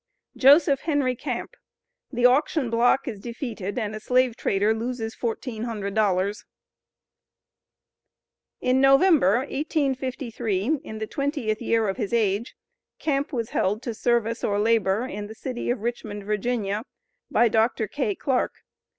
JOSEPH HENRY CAMP. THE AUCTION BLOCK IS DEFEATED AND A SLAVE TRADER LOSES FOURTEEN HUNDRED DOLLARS. In November, 1853, in the twentieth year of his age, Camp was held to "service or labor" in the City of Richmond, Va., by Dr. K. Clark.